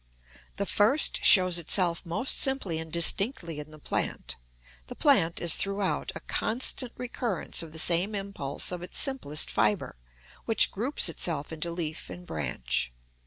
The first shows itself most simply and distinctly in the plant. The plant is throughout a constant recurrence of the same impulse of its simplest fibre, which groups itself into leaf and branch.